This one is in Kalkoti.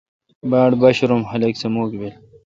باڑ با شرم خلق سہ مکھ بیل۔